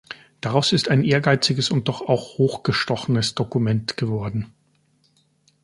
Daraus ist ein ehrgeiziges und doch auch hochgestochenes Dokument geworden.